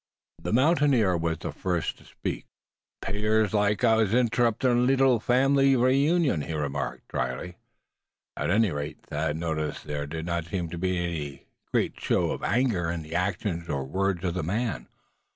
THE mountaineer was the first to speak. "'Pears like I was interruptin' a leetle fambly reunion," he remarked, drily. At any rate, Thad noticed, there did not seem to be any great show of anger in the actions or words of the man.